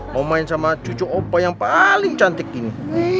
mau main sama cucu omba yang paling cantik ini